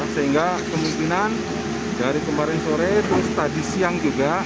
sehingga kemungkinan dari kemarin sore terus tadi siang juga